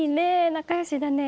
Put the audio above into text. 仲良しだね。